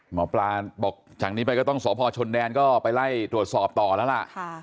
หมอปลาบอกจากนี้ไปก็ต้องสพชนแดนก็ไปไล่ตรวจสอบต่อแล้วล่ะ